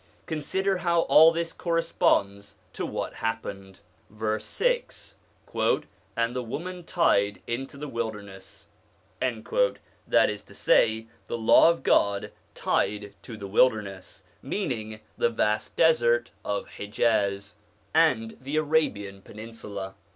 Consider how all this corresponds to what happened. Verse 6. 'And the woman tied into the wilderness/ that is to say, the Law of God tied to the wilderness, meaning the vast desert of Hijaz, and the Arabian Peninsula.